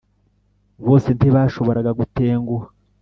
bose ntibashoboraga gutenguha;